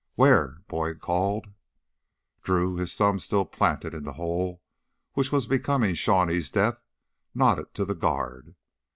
"Where?" Boyd called. Drew, his thumb still planted in the hole which was becoming Shawnee's death, nodded to the guard.